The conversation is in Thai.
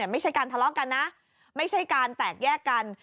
ไม่ใช่การทะเลาะกันนะไม่ใช่การแตกแยกกัน